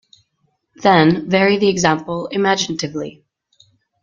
Then, vary the example imaginatively.